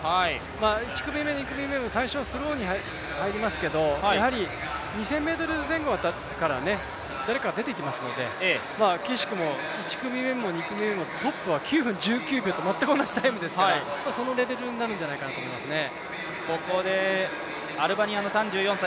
１組目、２組目も最初はスローに入りますけど２０００ｍ前後から誰か出てきますので、くしくも、１組目も、２組目もトップは９分１９秒と同じタイムですからそのレベルになるんじゃないかなと思いますね。